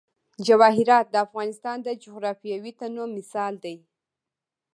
جواهرات د افغانستان د جغرافیوي تنوع مثال دی.